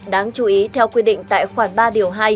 đáng chú ý theo quy định tại khoản ba điều hai